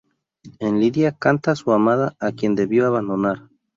En "Lydia" canta a su amada, a quien debió abandonar.